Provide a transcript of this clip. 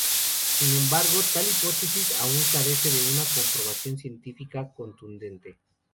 Sin embargo, tal hipótesis aún carece de una comprobación científica contundente.